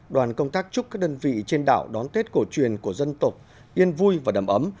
đoàn công tác chúc các đơn vị trên đảo đón tết cổ truyền của dân tộc yên vui và đầm ấm